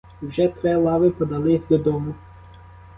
І вже три лави подались додому.